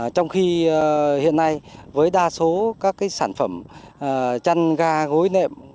trong khi hiện nay với đa số các sản phẩm chăn ga gối nệm